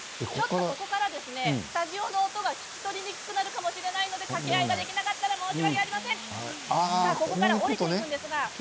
ここからスタジオの音が聞き取りにくくなるかもしれませんので掛け合いができなくなったらそういうことね。